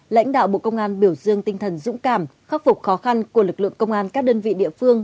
lãnh đạo bộ công an biểu dương tinh thần dũng cảm khắc phục khó khăn của lực lượng công an các đơn vị địa phương